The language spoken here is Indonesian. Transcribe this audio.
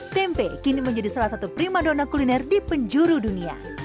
tempe kini menjadi salah satu prima dona kuliner di penjuru dunia